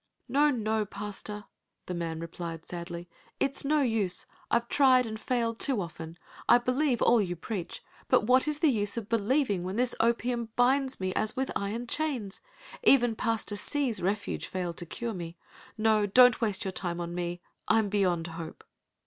"No, no, Pastor," the man replied sadly, "It's no use. I've tried and failed too often. I believe all you preach, but what is the use of believing when this opium binds me as with iron chains? Even Pastor Hsi's Refuge failed to cure me. No no, don't waste your time on me. I'm beyond hope."